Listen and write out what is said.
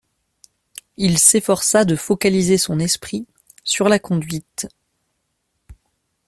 Il s’efforça de focaliser son esprit sur la conduite.